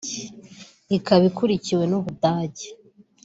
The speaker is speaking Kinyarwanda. ikaba ikurikiwe n’Ubudage